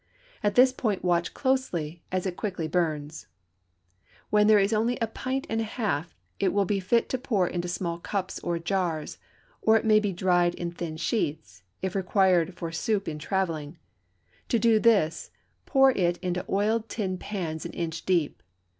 At this point watch closely, as it quickly burns. When there is only a pint and a half it will be fit to pour into small cups or jars, or it may be dried in thin sheets, if required for soup in travelling; to do this, pour it into oiled tin pans an inch deep.